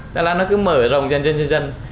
thế là nó cứ mở rộng dần dần dần dần